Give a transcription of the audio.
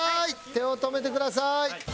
手を止めてください。